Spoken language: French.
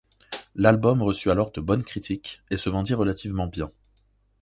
L'album reçut alors de bonnes critiques et se vendit relativement bien.